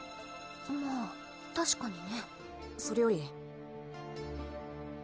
まあ確かにね。それより。